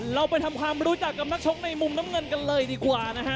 เราไปทำความรู้จักกับนักชกในมุมน้ำเงินกันเลยดีกว่านะฮะ